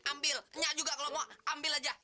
ambil enak juga kalau mau ambil aja